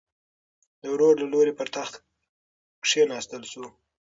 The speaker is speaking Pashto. د ورور له لوري پر تخت کېناستل شو.